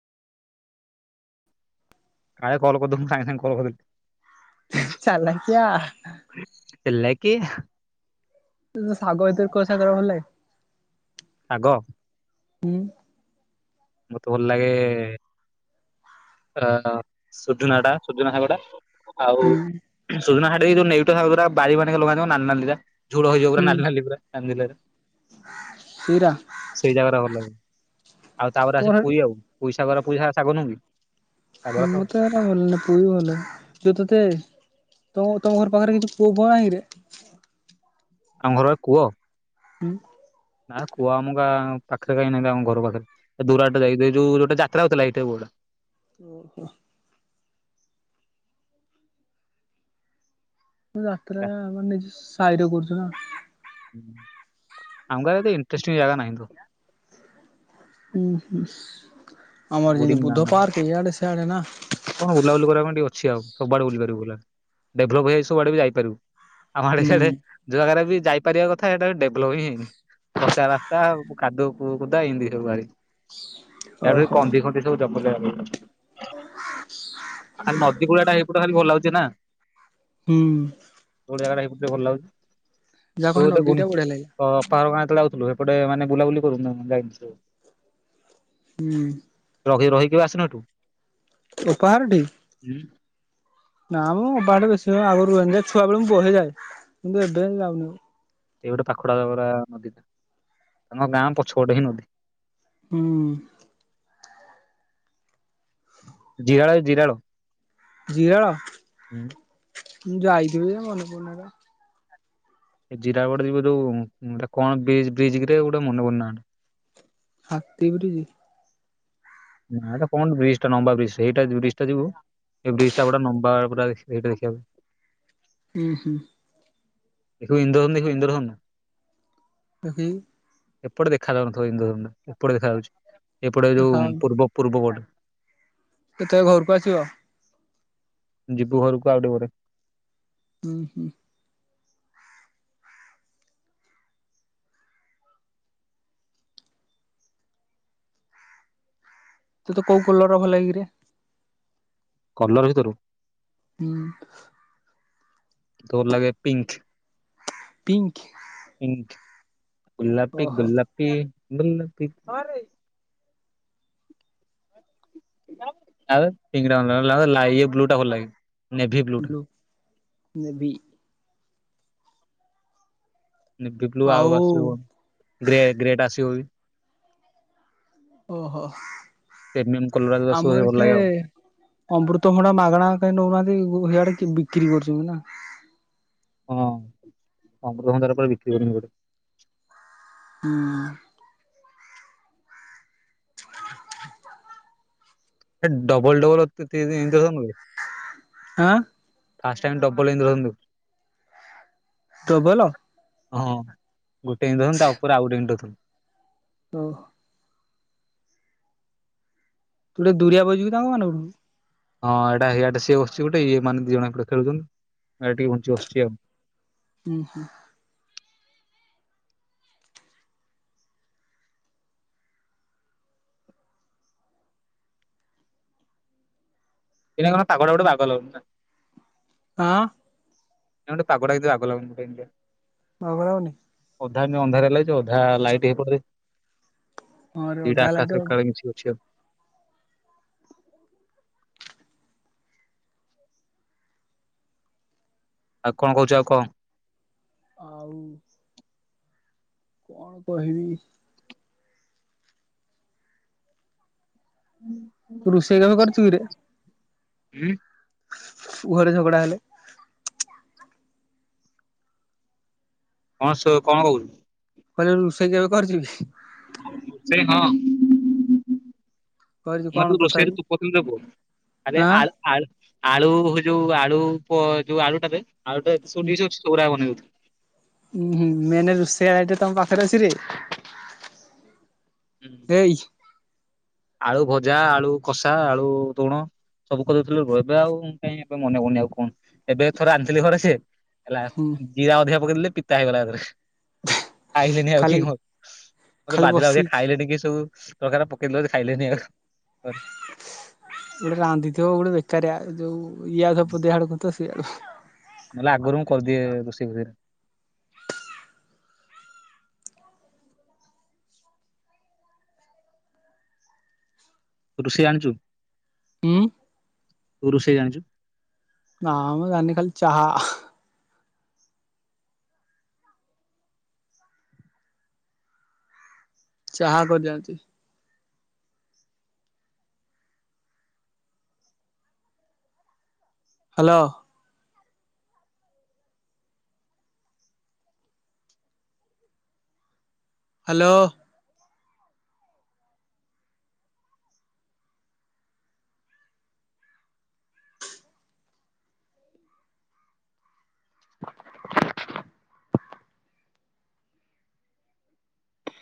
କାଇଁ କଲ୍ କରୁଥିଲୁ ମୁ ସାଙ୍ଗେ ସାଙ୍ଗ କଲ କରିଦେଲି। ଚାଲାକିଆ। ହେଲା କିଏ? ଶାଗ ଭିତରୁ କୋଉ ଶାଗ ଟା ଭଲ ଲାଗେ। ସାଙ୍ଗ ହୁଁ ମତେ ଭଲ ଲାଗେ ଅ ସୂର୍ଜନା ଟା ସୂର୍ଜନା ଶାଗ ଟା ଆଉ ହୁଁ ସୁଜୁନା ଖାଡ଼ି ଯଉ ନେଉଟିଆ ଶାଗ ଗୋଡ଼ା ଜୋ ବାରି ମାନେ ଲଗାନ୍ତି ମୋ ନାଲି ନାଲି ଟା, ଝୁଲ ହେଇଯିବ ପୁରା ନାଲି ନାଲି ପୁରା ନା ନାଲି ସିରା ସେଇ ଜାଗାରେ ଭଲ ଆଉ ତାପରେ ତୋର ଆସ ପୁଇ ଆଉ ପଇସାର ପୁଇ ଶାଗ ନୁହକି? ମୁ ତ ଏ ଭଲ ନା ପୁଅ ବି ଭଲ ଯେଉ ତତ ତମ ତମ ଘର ପାଖରେ କିଛିୁ କୂଅ ଫୁଅ ନାହିଁକିରେ? ଆମ ଘରର କୂଅ? ହୁଁ [inaudible] ନା କୁଅ ଆମ ପାଖରୋଁ ନାହାନ୍ତି ଆମ ଘର ପାଖରେ ଦୁରାେ ଯାଇ ଯୋଉ ଯୋଟା ଯାତ୍ରା ହେଉଥିଲା ଏଇଟା ବୋଉଟା ଓହୋ ଯାତ୍ରା ମାନେ ନଜ ସାହିରେ କରୁଛୁ ନା। ଆମ ଗାଁ ରେ ଏତେ ଇଣ୍ଟଷ୍ଟିଂ ଜାଗା ନାହିଁ। ହୁଁ ହୁ ଆମର ବୋରିଂ ଯେମିତି ଗାଁ ବୁଦ୍ଧ ଟା ପାର୍କ ଏଇ ଇଆଡେ ସେଆଡେ ନା। କଣ ବୁଲାବୁଲି କରିବା ପାଇଁ ଟିକେ ଅଛି ଆଉ ସବୁଆଡେ ବୁଲି ପାରିବୁଲା, ଡେଲପ ହେଇଯ ସବୁଡେ ବି ଯାଇପାରୁବୁ। ହୁଁ। ଆମଡଆଡେ ଯୁଆଗାରେ ବି ଯାଇପାରିବା କଥା ସେଇଟା ଡେଭଲପ ହିଁ ହେଇନି। କଚା ରାସ୍ତା କାଦୁୁଅ କଦା ଏମିତି ସବୁ ଗାଡି। ଓହୋ। ଆମର ସେସବୁ [unintelligible] ଆ ନଦୀ କୂଳା ଟା ଏଇପଟେ ଖାଲି ଭଲ ଲାଗୁଛି ନା? ହୁଁ। କୋଉ ଜାଗାଟା ଏତେ ଭଲ ଲାଗୁଛି? ଯାହା କହେ ନଦୀ ଟା ବଢିଆ ଲାଗେ। ପାହାର ଗା ଯାଉଥିଲୁ ଏପଟେ ମାନେ ବୁଲାବୁଲି କରୁ ଯାଇ ହୁଁ। ରଗଇ ରହିକି କେବେ ଆସନ ଏଠୁ। ଉପହାରଟି ହୁଁ। ନା ମୁଁ ଅ ବାଟେ ବେଶୀ ହ ଆଗରୁ ରୁହନି ଯ ଛୁଆବେଳକୁ ବହେଇଯାଏ କିନ୍ତୁ ଏବେ ଯାଉନି। ଏଇ ଗୋଟେ ପାଖଡାଗା ଆମ ଗାଁ ପଛ ଗଟେ ହିଁ ନଦୀ। ହୁଁ। ଜିରାଳ ଜିରାଳ ଜିରାଳ। ହୁଁ। ମୁଁ ଯାଇଥିବି ଯେ ମନେ ପଡୁନି। ଏ ଜିରା ଗଡ ଯିବେ ଯୋଉେ କଣ ବ୍ରିଜରେ କିରେ ଗୋଟେ ମନେ ପଡୁନି ନାଁ ଟି। ହାତୀ [unintelligible] ନା ଏଟା କଣ ବ୍ରିଜ ଟା ଲମ୍ବା ବ୍ରିଜ ସେଇଟା ବ୍ରିଜ ଟା ଯିବୁ ଏ ବ୍ରିଜ ଟା ପୁରା ନମ୍ବର ପୁରା ସେଇଟା ଦେଖିବାକୁ। ହୁଁ ହୁଁ। ତୁ ଇନ୍ଦ୍ରଧନୁ ଦେଖୁ ଇନ୍ଦ୍ରଧନୁ। [unintelligible] ଏପଟେ ଦେଖା ଯାଉନଥିବ ହିନ୍ଦୁ ଏପଟେ ଦେଖା ଯାଉଛି ଏପଟେ ଯୋଉ ଦେଖାହଉନି ପୂର୍ବ ପୂର୍ବ କୋଟ। କେତେବେଳେ ଘରକୁ ଆସିବ? ଯିବୁ ଘରକୁ ଆଉ ଟିକେ ପରେ। ହୁଁ ହୁଁ। ତତେ କୋଉ କଲର ଭଲ ଲାଗେ କିରେ? କଲର ଭିତରୁ ହୁଁ। ତୋର ଲାଗେ ପିଙ୍କ୍। ପିଙ୍କ୍। ଗୋଲାପୀ ଓହୋ ଗୋଲାପୀ ଗୋଲାପୀ ଗୋଲା [unintelligible] ପିଙ୍କ ବ୍ଲୁ ଟା ଭଲ ଲାଗେ। ନେଭି ଟା ବ୍ଲୁ ନେବି। ନେଭି ବ୍ଲୁ ଆଉ ଆସିବ ଗ୍ରେ ଗ୍ରେଡ ଆସିବ ବି। ଓହୋ ପ୍ରେମିୟମ କଲର ଯୋଉ ଆସିବ ଆମର ଭଲ କେ ଲାଗେ ଆଉ ଅମୃତ ଭଣ୍ଡା ମାଗଣା କାଇଁ ନଉନାହାନ୍ତି ହେଇଆଡେ ବିକ୍ରି କରୁଛନ୍ତି ନା? ହଁ ଅମୃତ ଭଣ୍ଡା ପରେ ବିକ୍ରି ହୋଇନି ସେପଟେ। ହୁଁ। [inaudible] ଡବଲ ଡବଲ ଇନ୍ଦ୍ରଧନୁ ବେ ଆଁ। ଫାଷ୍ଟ ଟାଇମ୍ ଡବଲ ଇନ୍ଦ୍ରଧନୁ। ଡବଲ ହଁ ଗୋଟେ ଇନ୍ଦ୍ରଧନୁ ତା ଉପରେ ଆଉ ଗୋଟେ ଇନ୍ଦ୍ରଧନୁ। ଓ ତୁ ଟିକେ ଦୁରିଆ ବଇଚୁ ତାଙ୍କ ମାନଙ୍କଠୁ ହଁ ଏଇଟା ଇଆଡେ ସିଏ ବସିଚି ଗୋଟେ ଇଏ ମାନେ ଦିଜଣ ଏପଟେ ଖେଳୁଛନ୍ତି ଏ ଟିକେ ଘୁଞ୍ଚି ବସିଚି ଆଉ। ହୁଁ ହୁଁ। ଏରା କଣ ପାଗଟା ଗୋଟେ ବାଗ ଲାଗୁନି। ହଁ। ନା ଗୋଟେ ପାଗଟା ଏତେ ବାଗ ଲାଗୁନି କହିଲି ପା। ବାଗ ଲାଗୁନି। ଅଧା ଏମିତ୍ ଅନ୍ଧାରେ ଲାଗିଚି ଅଧା ଲାଇଟ୍ ହେଇ [unintelligible] ହଁ ରେ ଓଦା ଦିଟା ହେଲା ଏଇଠୁ ଆକାଶ ଏକା ବେଳେ ମିସିକି ଅଛି ଆଉ। ଆଉ କଣ କହୁଛୁ ଆଉ କହ। ଆଉ। କଣ କହିବି। ହୁଁ। ତୁ ରୋଷେଇ କାମ କରୁଚୁ କିରେ। ଉଁ ଘରେ ଝଗଡ଼ା ହେଲେ। ହଁ ସୋ କଣ କହୁଚୁ। କହିଲି ରୋଷେଇ କାମ କରୁଚୁ କି? ରୋଷେଇ ହଁ। କରିଛୁ କଣ ମତେ ତୁ ତଥାପି ରୋଷେଇରେ ତୁ କହୁଥୁଲ୍ ଦବୁ ଆରେ ଆଁ ଆଳୁ ଆଳୁ ଆଳୁ ହେଇ ଯୋଉ ଆଳୁ ପ ଯୋଉ ଆଳୁଟା ରେ ଆଳୁଟା ତେ ସବୁ ଡିସ୍ ଅଛି ସବୁଗୁରା ବନେଇଦଉଥିଲି। ଉୁଁ ହୁଁ ମେନ୍ ରୋଷେଆ ଦାୟିତ୍ଵ ତମ ପାଖରେ ଅଛିରେ ଏଇ। ଆଳୁଭଜା ଆଳୁକଷା ଆଳୁତୁଣ। ସବୁ କରିଦଉଥିଲୁ ଏବେ ଆଉ ମୁଁ କାଇଁ ଏବେ ମନେ ପଡୁନି ଆଉ କଣ ଏବେ ଥରେ ରାନ୍ଧିଥିଲି ଘରେ ସେ ହେଲା ହୁଁ ଜିରା ଅଧିକା ପକେଇଦେଲି ଯେ ପିତା ହେଇଗଲା ଏକାଥେରେ। ଖାଇଲେନି ଆଉ କେହି ଖାଲି ଘ ମତେ ଖାଲି ବାଧିଲା ବଳିଆ ବସିକି ଖାଇଲେନି କେହି ସବୁ ତରକାର ପକେଇ ଦେଲେ ଯେ। ଖାଇଲେନି ଆଉ। ଗୋଟେ ରାନ୍ଧିଥିବ ଗୋଟେ ବେକାରିଆ ଯୋଉ ଇଏ ଆଉ ସବୁ ପଦେ ଆଡୁ କହୁଥିବ ସିଆଡୁ ନହେଲେ ଆଗରୁ ମୁଁ କରିଦିଏ ରୋଷେଇ ଫୋଷେଇରେ। ରୋଷେଇ ଆଣିଚୁ। ଉଁ। ତୁ ରୋଷେଇ ଜାଣିଚୁ। ନା ମ ଜାଣିନି ଖାଲି ଚାହା। ଚାହା କରି ଜାଣିଚି। ହାଲୋ। ହ୍ଯାଲୋ।